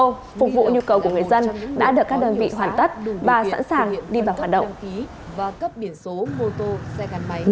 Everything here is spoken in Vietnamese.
phục vụ nhu cầu của người dân đã được các đơn vị hoàn tất và sẵn sàng đi vào hoạt động